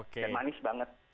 dan manis banget